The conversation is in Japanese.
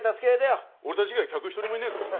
俺たち以外客一人もいねえぞ。